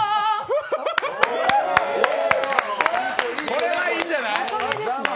これはいいんじゃない？